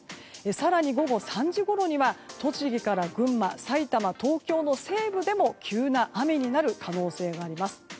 更に午後３時ごろには栃木から群馬埼玉、東京の西部でも急な雨になる可能性があります。